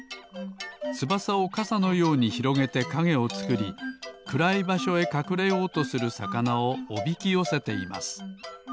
つばさをかさのようにひろげてかげをつくりくらいばしょへかくれようとするさかなをおびきよせています。